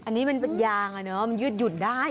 อันนี้มันเป็นยางอะเนาะมันยืดหยุ่นได้